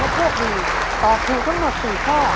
และพวกนี้ตอบถูกทั้งหมด๔ข้อ